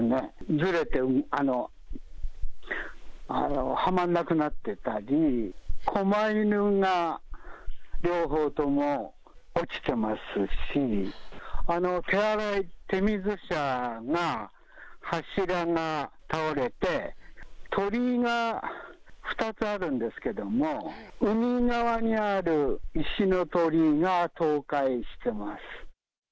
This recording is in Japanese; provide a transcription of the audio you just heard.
ずれて、はまんなくなってたり、こま犬が両方とも落ちてますし、手洗い、手水舎が柱が倒れて、鳥居が２つあるんですけども、海側にある石の鳥居が倒壊してます。